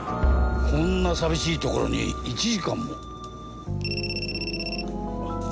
こんな寂しいところに１時間も。